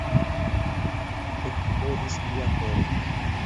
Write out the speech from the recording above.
Ekbolis lia koro.